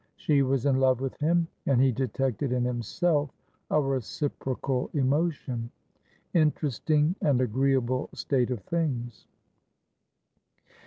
She was in love with him, and he detected in himself a reciprocal emotion. Interesting and agreeable state of things!